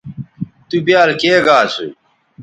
تُو بیال کے گا اسُو